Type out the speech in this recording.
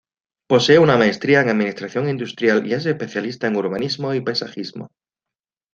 Posee una Maestría en Administración Industrial y es especialista en Urbanismo y Paisajismo.